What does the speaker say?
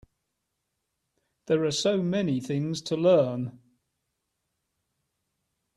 There are so many things to learn.